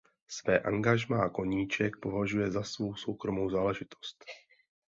Své angažmá Koníček považuje za svou soukromou záležitost.